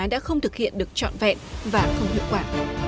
đã không thực hiện được trọn vẹn và không hiệu quả